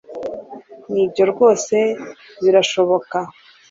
nibyo rwose birashoboka